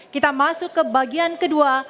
kita masuk ke bagian kedua